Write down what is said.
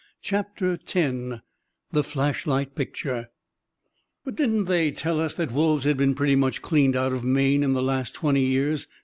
CHAPTER X THE FLASHLIGHT PICTURE "But didn't they tell us that wolves had been pretty much cleaned out of Maine in the last twenty years?"